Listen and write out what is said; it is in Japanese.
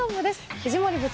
藤森部長